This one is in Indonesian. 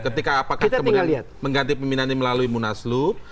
ketika apakah kemudian mengganti peminat ini melalui munaslup